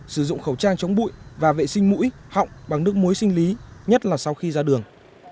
sử dụng khẩu trang chống bụi và vệ sinh mũi họng bằng nước muối sinh lý nhất là sau khi ra đường